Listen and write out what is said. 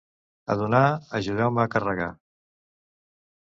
A donar, ajudeu-me a carregar.